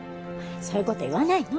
そういうこと言わないの